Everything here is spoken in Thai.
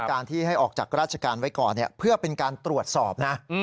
การที่ให้ออกจากราชการไว้ก่อนเพื่อเป็นการตรวจสอบนะ